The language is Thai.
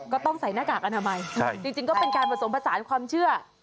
ก็ต้องใส่หน้ากากอนามัยจริงก็เป็นการผสมผสานความเชื่อ